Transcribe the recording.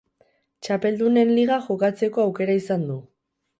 Txapeldunen Liga jokatzeko aukera izan du.